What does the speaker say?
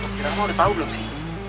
si ramah udah tau belum sih